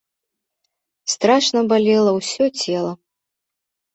Страшна балела ўсё цела.